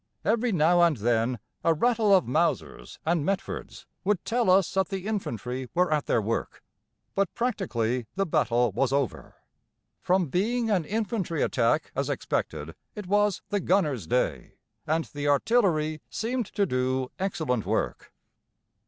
Every now and then a rattle of Mausers and Metfords would tell us that the infantry were at their work, but practically the battle was over. From being an infantry attack as expected it was the gunners' day, and the artillery seemed to do excellent work.